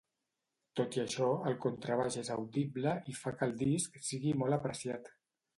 Tot i això, el contrabaix és audible i fa que el disc sigui molt apreciat.